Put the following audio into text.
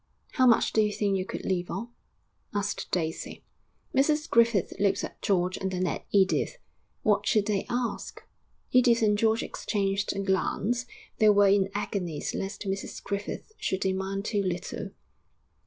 'How much do you think you could live on?' asked Daisy. Mrs Griffith looked at George and then at Edith. What should they ask? Edith and George exchanged a glance; they were in agonies lest Mrs Griffith should demand too little.